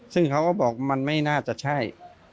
ซึ่งเขาก็บอกมันไม่น่าจะใช่